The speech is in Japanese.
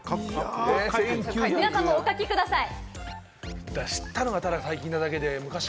皆さんお書きください。